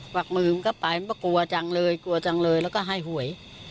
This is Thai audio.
วักมือมันก็ไปมันก็กลัวจังเลยกลัวจังเลยแล้วก็ให้หวย